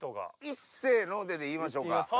「いっせので」で言いましょうか。